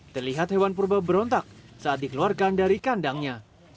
terlihat hewan purba berontak saat dikeluarkan dari kandangnya